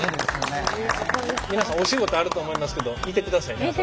皆さんお仕事あると思いますけど見てくださいね。